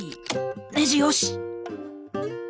ネジよし！